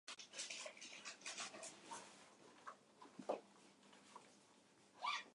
長野県上松町